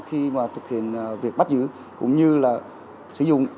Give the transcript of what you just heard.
khi thực hiện việc bắt giữ